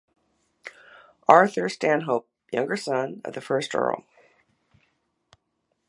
Arthur Stanhope, younger son of the first Earl.